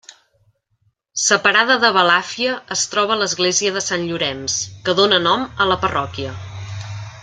Separada de Balàfia es troba l'església de Sant Llorenç, que dóna nom a la parròquia.